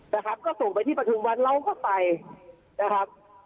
นะครับก็ส่งไปที่ประทุมวันเราก็ไปนะครับ